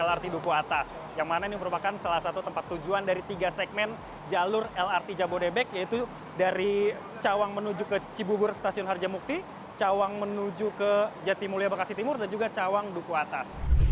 lrt duku atas yang mana ini merupakan salah satu tempat tujuan dari tiga segmen jalur lrt jabodebek yaitu dari cawang menuju ke cibubur stasiun harjamukti cawang menuju ke jatimulia bekasi timur dan juga cawang duku atas